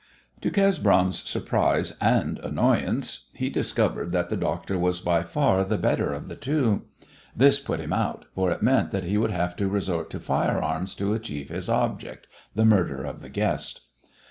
To Cesbron's surprise and annoyance, he discovered that the doctor was by far the better of the two. This put him out, for it meant that he would have to resort to fire arms to achieve his object the murder of the guest.